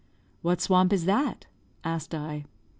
"What swamp is that?" asked I.